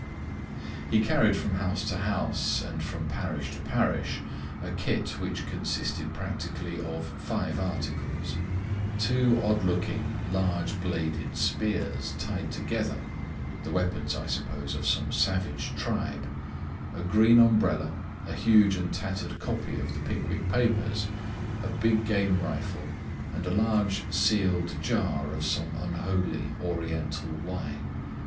He carried from house to house and from parish to parish a kit which consisted practically of five articles. Two odd looking, large bladed spears, tied together, the weapons, I suppose, of some savage tribe, a green umbrella, a huge and tattered copy of the Pickwick Papers, a big game rifle, and a large sealed jar of some unholy Oriental wine.